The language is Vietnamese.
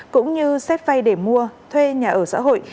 cũng như xét vay để mua thuê nhà ở xã hội